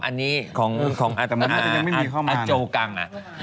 เอามีนอาเจ้ากัง